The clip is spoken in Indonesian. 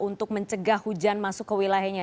untuk mencegah hujan masuk ke wilayahnya